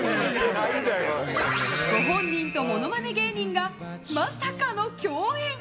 ご本人とモノマネ芸人がまさかの共演！